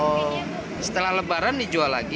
oh setelah lebaran dijual lagi